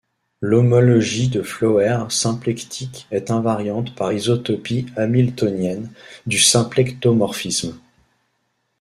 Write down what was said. L'homologie de Floer symplectique est invariante par isotopie hamiltonienne du symplectomorphisme.